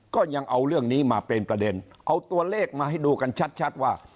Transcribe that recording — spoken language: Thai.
ก็ยังเอาเรื่องนี้มาเป็นประเด็นเอาตัวเลขมาให้ดูกันชัดว่า